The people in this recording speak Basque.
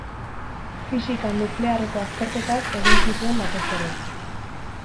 Fisika nuklearreko azterketak egin zituen batez ere.